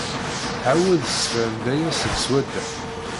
Tɛawed tessefhem-d aya seg swadda.